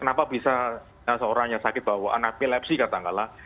kenapa bisa seorang yang sakit bawaan epilepsi katakanlah